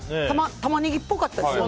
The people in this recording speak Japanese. タマネギっぽかったですよね。